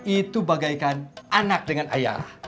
itu bagaikan anak dengan ayah